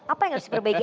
apa yang harus diperbaiki